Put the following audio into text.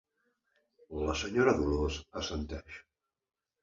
La senyora Dolors assenteix.